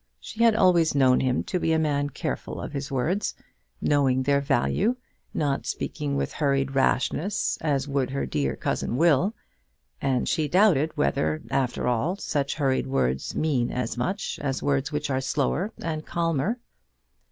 She had always known him to be a man careful of his words, knowing their value, not speaking with hurried rashness as would her dear cousin Will. And she doubted whether, after all, such hurried words mean as much as words which are slower and calmer.